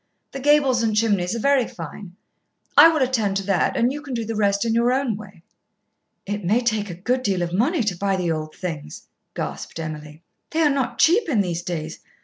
The gables and chimneys are very fine. I will attend to that, and you can do the rest in your own way." "It may take a good deal of money to buy the old things," gasped Emily. "They are not cheap in these days.